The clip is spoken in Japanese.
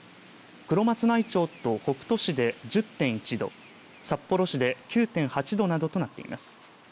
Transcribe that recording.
黒松内町と北斗市で１０．１度札幌市で９．８度などとなっています